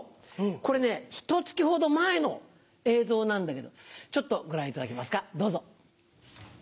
これねひと月ほど前の映像なんだけどちょっとご覧いただけますかどうぞ。